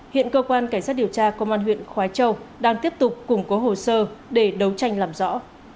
hiện cơ quan cảnh sát điều tra công an huyện khói châu đang tiếp tục củng cố hồ sơ để đấu tranh làm rõ